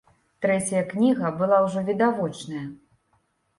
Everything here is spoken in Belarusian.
Трэцяя кніга была ўжо відавочная.